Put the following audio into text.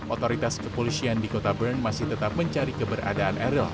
otoritas kepolisian di kota bern masih tetap mencari keberadaan eril